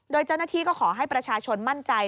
โดยเจ้าหน้าที่ก็ขอให้ประชาชนมั่นใจ